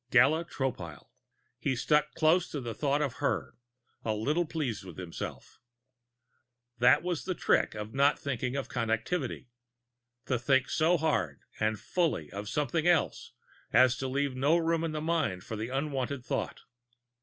Gala Tropile. He stuck close to the thought of her, a little pleased with himself. That was the trick of not thinking of Connectivity to think so hard and fully of something else as to leave no room in the mind for the unwanted thought.